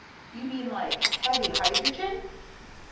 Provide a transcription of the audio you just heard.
You mean like heavy hydrogen?